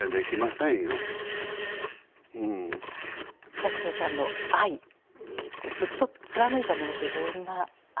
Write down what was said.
寂聴さんの愛ずっと貫いたものってどんな愛だったんでしょう。